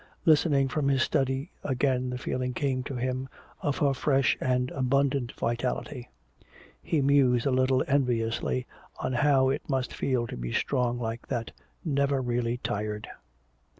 Listening from his study, again the feeling came to him of her fresh and abundant vitality. He mused a little enviously on how it must feel to be strong like that, never really tired.